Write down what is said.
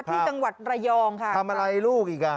ที่จังหวัดระยองค่ะทำอะไรลูกอีกอ่ะ